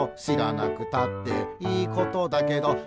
「しらなくたっていいことだけど」